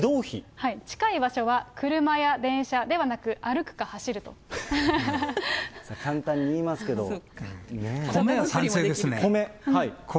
近い場所は車や電車ではなく、簡単に言いますけど、ね。